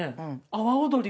阿波踊り。